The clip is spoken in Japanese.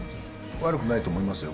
悪くないと思いますよ。